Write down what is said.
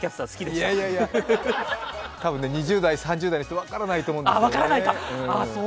たぶん２０代３０代の人分からないと思うんですよね。